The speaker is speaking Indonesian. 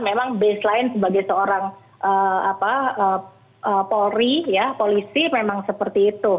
memang baseline sebagai seorang polri ya polisi memang seperti itu